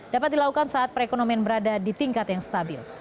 dapat dilakukan saat perekonomian berada di tingkat yang stabil